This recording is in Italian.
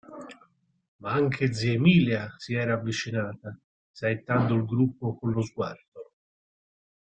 Ma anche zia Emilia s'era avvicinata, saettando il gruppo con lo sguardo.